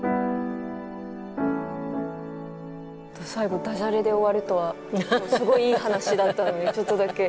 ちょっと最後ダジャレで終わるとはすごいいい話だったのにちょっとだけ。